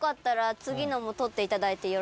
次の？